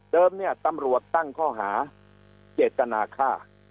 เนี่ยตำรวจตั้งข้อหาเจตนาฆ่า